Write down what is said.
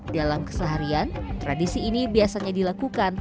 dalam keseharian tradisi ini biasanya dilakukan